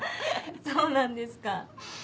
そうなんですか。